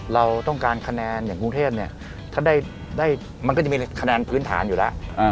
เราต้องการคะแนนอย่างกรุงเทพเนี่ยถ้าได้มันก็จะมีคะแนนพื้นฐานอยู่แล้ว